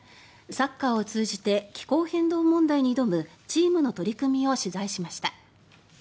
サッカーを通じて気候変動問題に挑むチームの取り組みを取材しました。